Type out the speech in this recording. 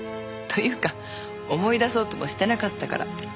というか思い出そうともしてなかったから。